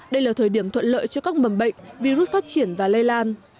đây là thời điểm thuận lợi cho các mầm bệnh virus phát triển và lây lan